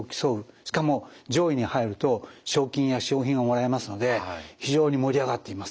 しかも上位に入ると賞金や賞品をもらえますので非常に盛り上がっています。